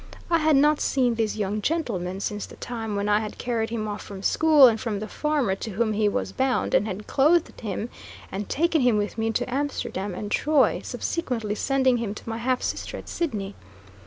I had not seen this young gentleman since the time when I had carried him off from school and from the farmer to whom he was bound, and had clothed him and taken him with me to Amsterdam and Troy, subsequently sending him to my half sister at Sidney.